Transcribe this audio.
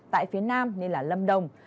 tại phía nam nên là lâm đồng